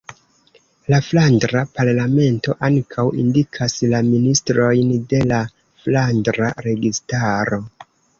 La Flandra Parlamento ankaŭ indikas la ministrojn de la flandra registaro.